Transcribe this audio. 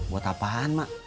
buat apa mak